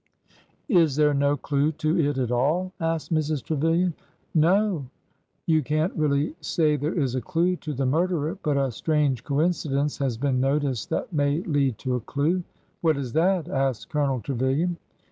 '' Is there no clue to it at all?" asked Mrs. Trevilian. '' No o, you can't really say there is a clue to the murderer, but a strange coincidence has been noticed that may lead to a clue." What is that?" asked Colonel Trevilian.